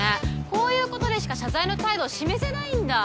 こういうことでしか謝罪の態度を示せないんだ。